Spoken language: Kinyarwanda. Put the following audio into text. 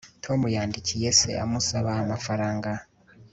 tom yandikiye se amusaba amafaranga